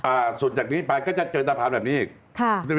สุดจากนี้ไปก็จะเจอสะพานแบบนี้อีกค่ะ